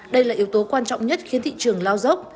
đây là yếu tố quan trọng nhất khiến thị trường lao dốc